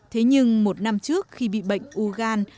thế nhưng một năm trước khi bị bệnh u gan